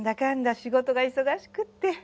仕事が忙しくって。